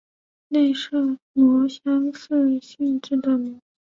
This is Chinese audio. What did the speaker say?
内射模相似性质的模。